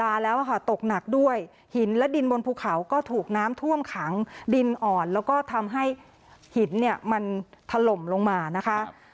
มาแล้วค่ะตกหนักด้วยหินและดินบนภูเขาก็ถูกน้ำท่วมขังดินอ่อนแล้วก็ทำให้หินเนี่ยมันถล่มลงมานะคะ